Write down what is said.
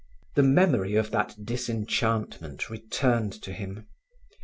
The memory of that disenchantment returned to him.